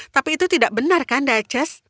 tapi itu tidak benar kan dices